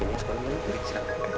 ih ilham ungu film as